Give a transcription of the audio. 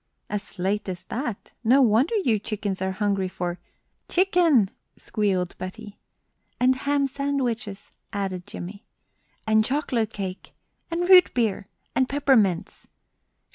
"As late as that! No wonder you chickens are hungry for " "Chicken!" squealed Betty. "And ham sandwiches!" added Jimmie. "And chocolate cake!" "And root beer!" "And peppermints!"